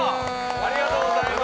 ありがとうございます。